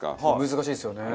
難しいですよね。